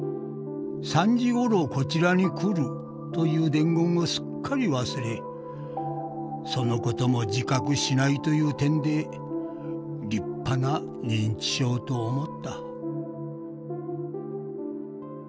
「３時ごろこちらに来るという伝言をすっかり忘れそのことも自覚しないという点で立派な認知症と思った」。